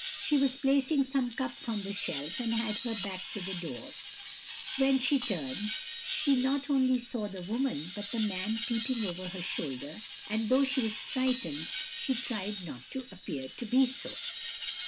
She was placing some cups on the shelf, and had her back to the door; when she turned, she not only saw the woman, but the man peeping over her shoulder, and though she was frightened she tried not to appear to be so.